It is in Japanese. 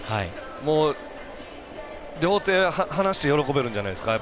もう、両手を放して喜べるんじゃないですか。